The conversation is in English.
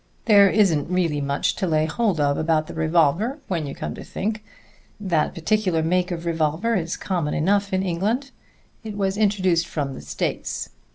"There isn't really much to lay hold of about the revolver, when you come to think. That particular make of revolver is common enough in England. It was introduced from the States.